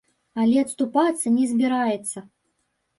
Але адступацца не збіраецца.